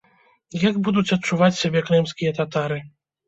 Як будуць адчуваць сябе крымскія татары?